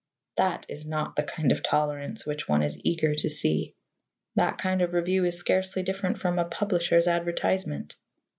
That is not the kind of tolerance which one is eager to see. That kind of review is scarcely different from a publisher's advertisement.